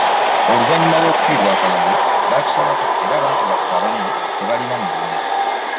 Oluvannyuma lw'okufiirwa akalulu, baatusalako era abantu baffe abamu tebalina mirimu.